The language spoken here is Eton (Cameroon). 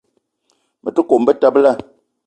Me te kome betebela.